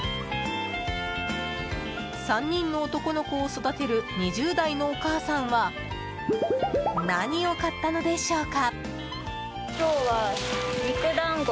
３人の男の子を育てる２０代のお母さんは何を買ったのでしょうか。